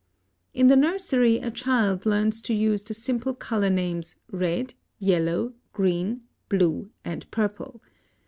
(91) In the nursery a child learns to use the simple color names red, yellow, green, blue, and purple.